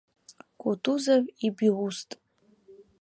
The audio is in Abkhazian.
Кутузов ибиуст.